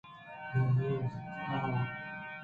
چوشیں گپ مہ جن